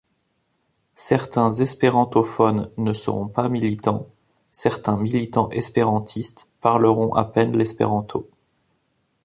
Certains espérantophones ne seront pas militants, certains militants espérantistes parleront à peine l'espéranto.